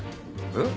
えっ？